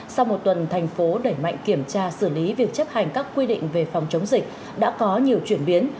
sau một tuần thành phố đẩy mạnh kiểm tra xử lý việc chấp hành các quy định về phòng chống dịch đã có nhiều chuyển biến